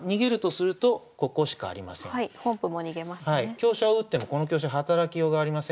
香車を打ってもこの香車働きようがありませんのでね